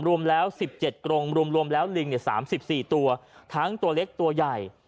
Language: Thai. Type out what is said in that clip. รวมแล้วสิบเจ็ดกรงรวมรวมแล้วลิงเนี้ยสามสิบสี่ตัวทั้งตัวเล็กตัวใหญ่